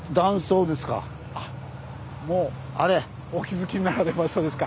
もうお気付きになられましたですか。